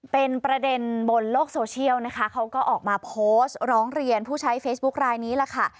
เป็นประเด็นบนโลกโซเชียลนะคะเขาก็ออกมาโพสต์ร้องเรียนผู้ใช้เฟซบุ๊คลายนี้ล่ะค่ะ